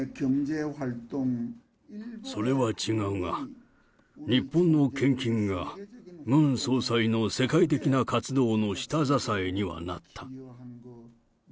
それは違うが、日本の献金がムン総裁の世界的な活動の下支えにはなった。